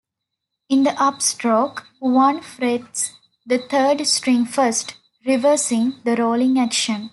In the upstroke, one frets the third string first, reversing the rolling action.